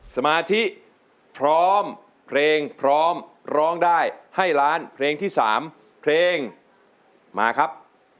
สมาธิพร้อมเพลงพร้อมร้องได้ให้ล้านเพลงที่๓เพลงมาครับ